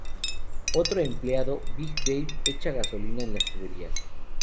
Otro empleado, Big Dave, echa gasolina en las tuberías.